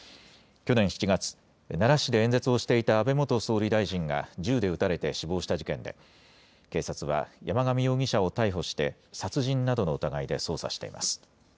去年７月、奈良市で演説をしていた安倍元総理大臣が銃で撃たれて死亡した事件で、警察は山上容疑者を逮捕して、殺人などの疑いで捜査しています。